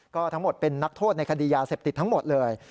ก็ทั้งหมดเป็นนักโทษในคดียาเสพติดทั้งหมดเลย